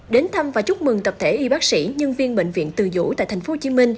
đến thăm và chúc mừng tập thể y bác sĩ nhân viên bệnh viện từ dũ tại tp hcm